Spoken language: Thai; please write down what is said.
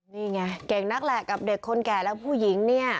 นี่ไงเก่งนักแหละกับเด็กคนแก่และผู้หญิงเนี่ย